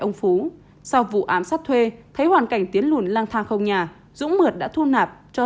ông phú sau vụ ám sát thuê thấy hoàn cảnh tiến lùn lang thang không nhà dũng mượt đã thu nạp cho